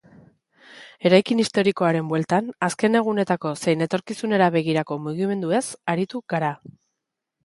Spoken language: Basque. Eraikin historikoaren bueltan, azken egunetako zein etorkizunera begirako mugimenduez aritu gara.